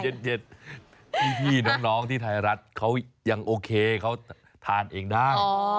พี่น้องที่ไทยรัฐเขายังโอเคเขาทานเองได้